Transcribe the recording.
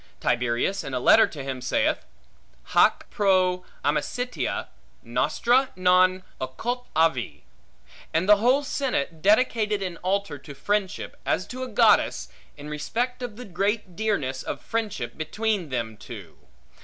Tiberius in a letter to him saith, Haec pro amicitia nostra non occultavi; and the whole senate dedicated an altar to Friendship, as to a goddess, in respect of the great dearness of friendship, between them two.